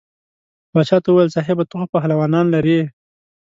باچا ته وویل صاحبه ته خو پهلوانان لرې.